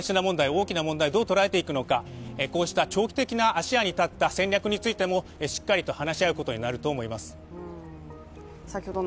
大きな問題をどう捉えていくのかこうした長期的な視野にたった戦略もしっかりと話し合うことになると思います。